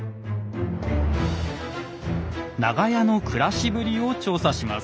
長屋の暮らしぶりを調査します。